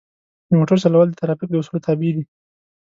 د موټر چلول د ترافیک د اصولو تابع دي.